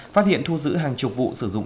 phát hiện thu giữ hàng chục vụ sử dụng